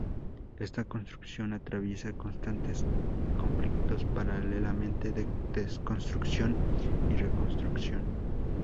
Esta construcción atraviesa constantes conflictos, paralelamente, de deconstrucción y reconstrucción.